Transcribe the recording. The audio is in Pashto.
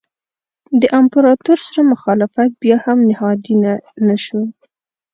د امپراتور سره مخالفت بیا هم نهادینه نه شو.